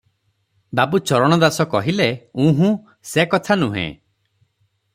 ବାବୁ ଚରଣ ଦାସ କହିଲେ-ଉଁ-ହୁଁ, ସେ କଥା ନୁହେ ।